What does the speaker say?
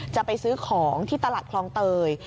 จะไปซื้อของที่ตลาดคลองเตย